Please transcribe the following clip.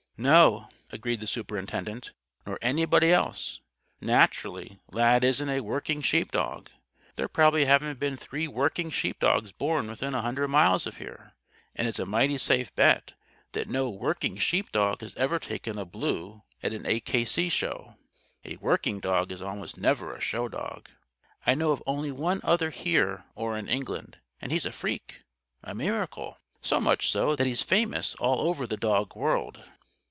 "No," agreed the Superintendent, "nor anybody else. Naturally, Lad isn't a 'working' sheepdog. There probably haven't been three 'working' sheepdogs born within a hundred miles of here, and it's a mighty safe bet that no 'working' sheepdog has ever taken a 'Blue' at an A. K. C. Show. A 'working' dog is almost never a show dog. I know of only one either here or in England; and he's a freak a miracle. So much so, that he's famous all over the dog world."